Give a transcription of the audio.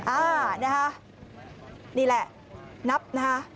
อ่านะคะนี่แหละนับนะคะ